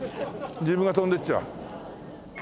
自分が飛んでっちゃ。